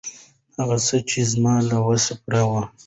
هغه څه، چې زما له وس پوره وي.